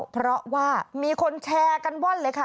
เพราะว่ามีคนแชร์กันว่อนเลยค่ะ